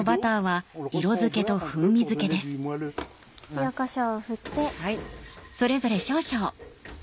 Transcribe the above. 塩こしょうを振って。